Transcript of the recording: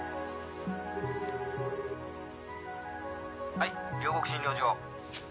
☎☎はい両国診療所。